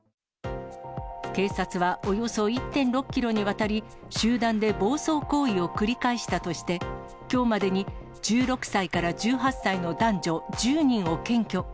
警察はおよそ１．６キロにわたり、集団で暴走行為を繰り返したとして、きょうまでに１６歳から１８歳の男女１０人を検挙。